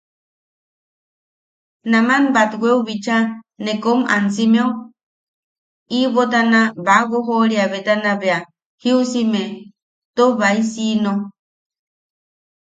Naman batweu bicha nee kom ansimeo, iʼibotana baʼawojoʼoria betana bea jiusime too baisiino.